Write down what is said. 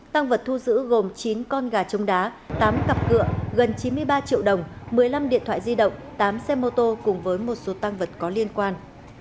tăng vật thu giữ gồm chín con gà trống đá tám cặp cửa gần chín mươi ba triệu đồng một mươi năm điện thoại di động tám xe mô tô cùng với một số tăng vật có liên quan